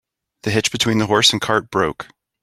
The hitch between the horse and cart broke.